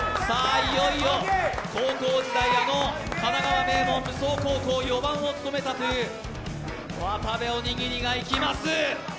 いよいよ高校時代、神奈川名門、武相高校で４番を務めたという渡部おにぎりがいきます。